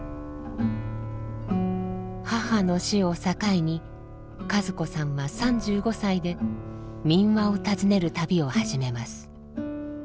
母の死を境に和子さんは３５歳で民話を訪ねる旅を始めます。